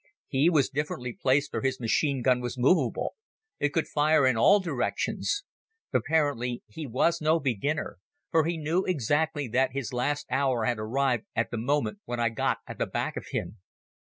He was differently placed for his machine gun was movable. It could fire in all directions. Apparently he was no beginner, for he knew exactly that his last hour had arrived at the moment when I got at the back of him.